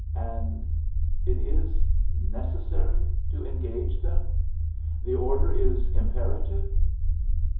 "And it is necessary to engage them? The order is imperative?"